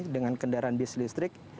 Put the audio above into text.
dengan kendaraan bis listrik